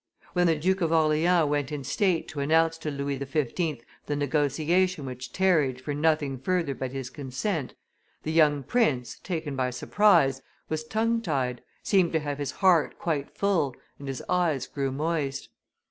When the Duke of Orleans went in state to announce to Louis XV. the negotiation which tarried for nothing further but his consent, the young prince, taken by surprise, was tongue tied, seemed to have his heart quite full, and his eyes grew moist.